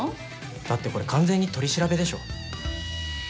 だってこれ完全に取り調べでしょ。